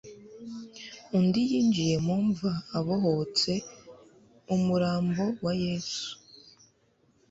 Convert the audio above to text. undi yinjiye mu mva abohora umurambo wa Yesu.